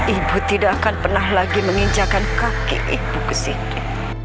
ibu tidak akan pernah lagi menginjakan kaki ibu ke sini